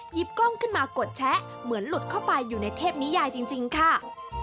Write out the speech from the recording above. กล้องขึ้นมากดแชะเหมือนหลุดเข้าไปอยู่ในเทพนิยายจริงค่ะ